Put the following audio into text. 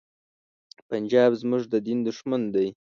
پنجاب زمونږ د دین دښمن دی.